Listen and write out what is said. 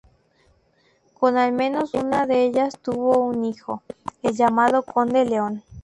Con al menos una de ellas tuvo un hijo, el llamado Conde León.